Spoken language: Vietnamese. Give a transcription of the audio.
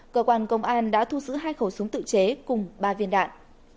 cơ quan công an đã thu giữ hai khẩu súng tự chế cùng ba viên đạn